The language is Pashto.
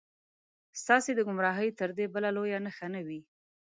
ستاسې د ګمراهۍ تر دې بله لویه نښه نه وي.